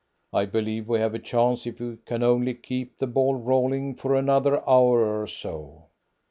"I believe we have a chance if we can only keep the ball rolling for another hour or so."